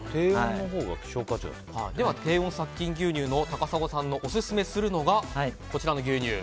では低温殺菌牛乳の高砂さんがオススメするのがこちらの牛乳。